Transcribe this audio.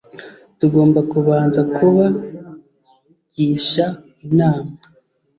tugomba kubanza kuba gisha inama.